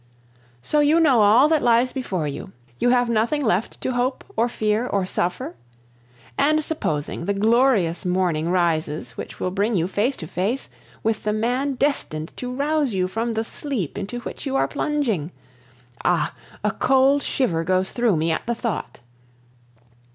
So you know all that lies before you; you have nothing left to hope, or fear, or suffer? And supposing the glorious morning rises which will bring you face to face with the man destined to rouse you from the sleep into which you are plunging!... Ah! a cold shiver goes through me at the thought!